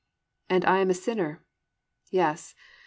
"And I am a sinner." "Yes."